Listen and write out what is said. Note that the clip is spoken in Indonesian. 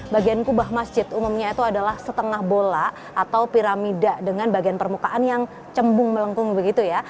bagian kubah masjid umumnya itu adalah setengah bola atau piramida dengan bagian permukaan yang cembung melengkung begitu ya